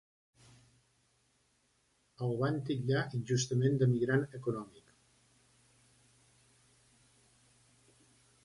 El van titllar injustament de migrant econòmic.